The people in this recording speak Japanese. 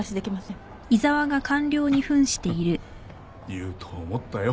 言うと思ったよ。